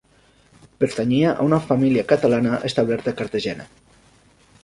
Pertanyia a una família catalana establerta a Cartagena.